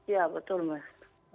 ya betul mas